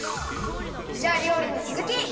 じゃありょうりのつづき！